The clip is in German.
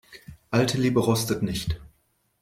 Alte Liebe rostet nicht.